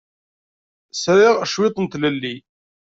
Sriɣ cwiṭ n tlelli.